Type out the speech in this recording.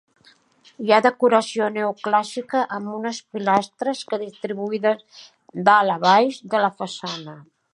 Hi ha decoració neoclàssica amb unes pilastres que distribuïdes dalt a baix de la façana.